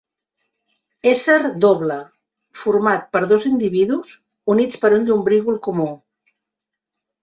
Ésser doble format per dos individus units per un llombrígol comú.